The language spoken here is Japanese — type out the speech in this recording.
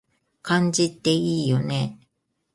漢字っていいよね